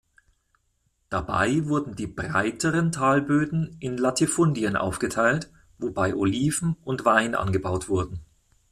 Dabei wurden die breiteren Talböden in Latifundien aufgeteilt, wobei Oliven und Wein angebaut wurden.